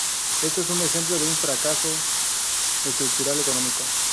Esto es un ejemplo de un fracaso estructural económico.